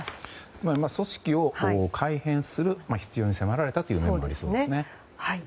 つまり組織を改編する必要に迫られた面もありそうですね。